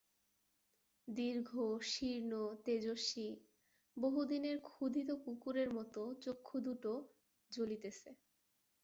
দীর্ঘ, শীর্ণ, তেজস্বী, বহুদিনের ক্ষুধিত কুকুরের মতো চক্ষু দুটো জ্বলিতেছে।